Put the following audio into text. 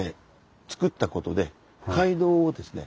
つくったことで街道をですね